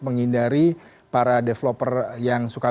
menghindari para developer yang suka